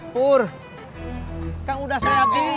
pur kan udah saya bilang